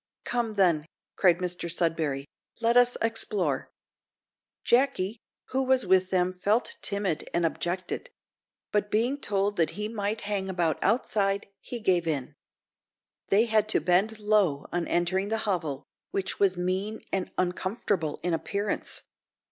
"Come then," cried Mr Sudberry, "let us explore." Jacky, who was with them, felt timid, and objected; but being told that he might hang about outside, he gave in. They had to bend low on entering the hovel, which was mean and uncomfortable in appearance.